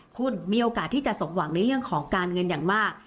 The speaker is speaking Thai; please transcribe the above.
คุณมีโอกาสที่จะสมหวังในเรื่องของการเงินอย่างมาก